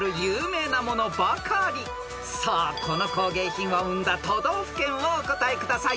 ［さあこの工芸品を生んだ都道府県をお答えください］